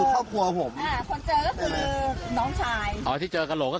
หลับกันเป็นห้อที่พอกุระอยู่ต่อไหนซะ